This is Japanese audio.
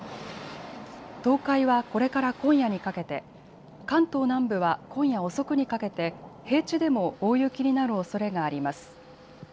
東海はこれから今夜にかけて、関東南部は今夜遅くにかけて平地でも大雪になるおそれがあります。